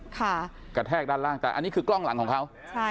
กระแทกด้านล่างแต่อันนี้คือกล้องหลังของเขาใช่